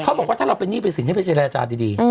เขาบอกว่าถ้าเราเป็นหนี้เป็นสินให้ไปเจรจาดี